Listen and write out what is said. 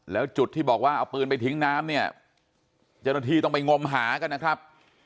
แล้วจุดที่บอกว่าเอาปืนไปทิ้งน้ำเนี่ยเจ้าหน้าที่ต้องไปงมหากันนะครับ